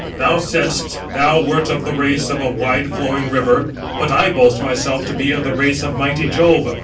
Thou saidst thou wert of the race of a wide flowing River, but I boast myself to be of the race of mighty Jove.